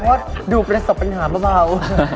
เพราะดูประสบปัญหาเบา